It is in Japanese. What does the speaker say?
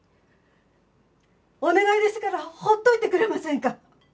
お願いですから放っておいてくれませんか？